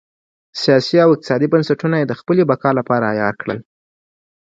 سیاسي او اقتصادي بنسټونه یې د خپلې بقا لپاره عیار کړل.